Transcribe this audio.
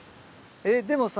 えっでもさ。